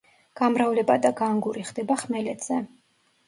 გამრავლება და განგური ხდება ხმელეთზე.